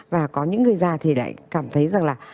và có những người già thì lại cảm thấy rằng là